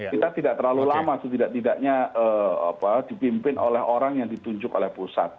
kita tidak terlalu lama setidak tidaknya dipimpin oleh orang yang ditunjuk oleh pusat